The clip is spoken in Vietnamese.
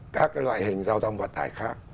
các cái loại hình giao thông vật tài khác